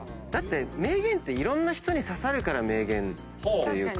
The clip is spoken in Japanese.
名言っていろんな人に刺さるから名言っていうか。